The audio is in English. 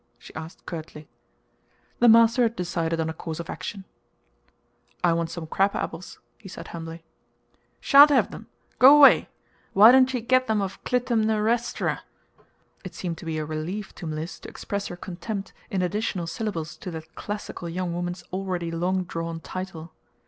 she asked curtly. The master had decided on a course of action. "I want some crab apples," he said humbly. "Sha'n't have 'em! go away. Why don't you get 'em of Clytemnerestera?" (It seemed to be a relief to Mliss to express her contempt in additional syllables to that classical young woman's already long drawn title.)